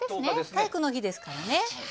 体育の日ですからね。